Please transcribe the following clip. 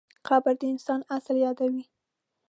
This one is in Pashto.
قبر د انسان اصل یادوي.